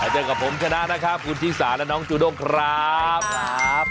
เจอกับผมชนะนะครับคุณชิสาและน้องจูด้งครับ